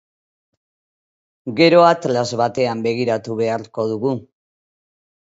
Gero atlas batean begiratu beharko dugu.